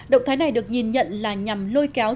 động thái này được nhìn nhận là nhằm lôi kéo